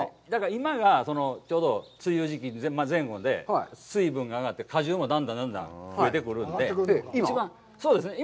今がちょうど、梅雨時期前後で、水分が上がって、果汁もだんだんふえてくるので、今？